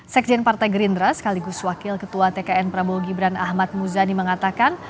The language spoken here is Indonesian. sekjen partai gerindra sekaligus wakil ketua tkn prabowo gibran ahmad muzani mengatakan